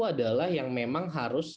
adalah yang memang harus